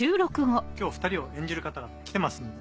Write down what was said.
今日２人を演じる方が来てますので。